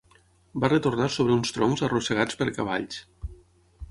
Va retornar sobre uns troncs arrossegats per cavalls.